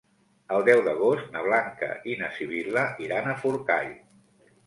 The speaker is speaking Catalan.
El deu d'agost na Blanca i na Sibil·la iran a Forcall.